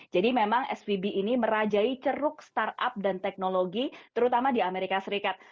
jadi memang svb ini merajai ceruk startup dan teknologi terutama di amerika serikat